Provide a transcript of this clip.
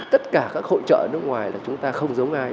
tất cả các hội trợ ở nước ngoài là chúng ta không giống ai